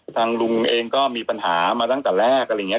ทางลุงเองก็มีปัญหามาตั้งแต่แรกอะไรอย่างนี้